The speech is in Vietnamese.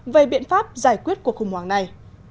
về biện pháp giải quyết cuộc khủng hoảng này